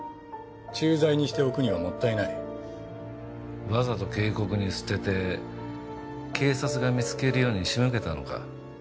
駐在にしておくにはもったいない。わざと渓谷に捨てて警察が見つけるように仕向けたのか？